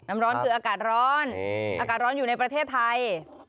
น้ำร้อนคืออากาศร้อนอากาศร้อนอยู่ในประเทศไทย